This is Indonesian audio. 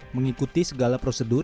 mengikuti segala prosedur